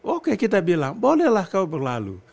oke kita bilang bolehlah kau berlalu